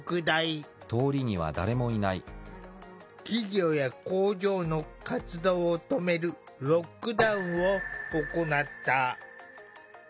企業や工場の活動を止めるロックダウンを行った。